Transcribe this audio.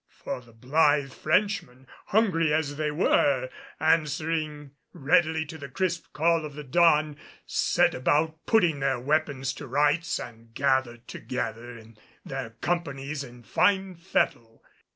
For the blithe Frenchmen, hungry as they were, answering readily to the crisp call of the dawn, set about putting their weapons to rights and gathered together in their companies in fine fettle.